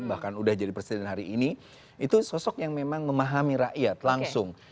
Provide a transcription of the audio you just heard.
bahkan udah jadi presiden hari ini itu sosok yang memang memahami rakyat langsung